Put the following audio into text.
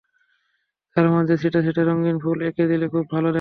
তার মাঝে ছিটা ছিটা রঙিন ফুল এঁকে দিলে খুব ভালো দেখাবে।